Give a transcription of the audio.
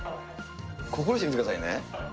心して見てくださいね。